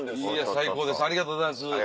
最高ですありがとうございます。